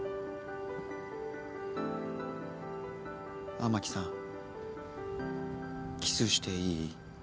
雨樹さんキスしていい？